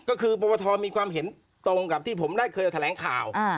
ก็คือปวทมีความเห็นตรงกับที่ผมได้เคยแถลงข่าว